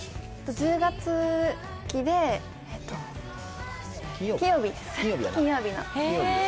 １０月期で、金曜日です。